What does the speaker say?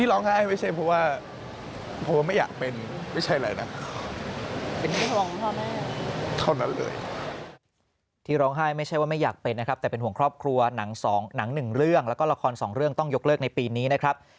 ร้องไห้ไม่ใช่เพราะว่าไม่อยากเป็นไม่ใช่แหละนะครับที่ร้องไห้ไม่ใช่ว่าไม่อยากเป็นนะครับแต่เป็นห่วงครอบครัวหนังสองหนังหนึ่งเรื่องแล้วก็ละครสองเรื่องต้องยกเลิกในปีนี้นะครับ